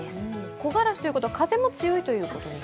木枯らしということは風も強いということですか？